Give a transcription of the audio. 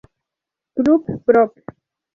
Club; Proc.